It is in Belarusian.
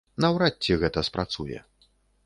Наўрад ці гэта спрацуе.